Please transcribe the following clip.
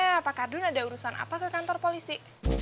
ya pak kardun ada urusan apa ke kantor polisi